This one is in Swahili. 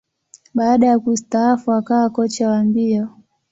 Baada ya kustaafu, akawa kocha wa mbio.